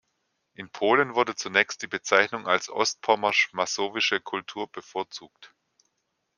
In Polen wurde zunächst die Bezeichnung als „ostpommersch-masowische Kultur“ bevorzugt.